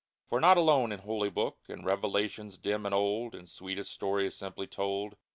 For not alone in Holy Book, In revelations dim and old, In sweetest stories simply told.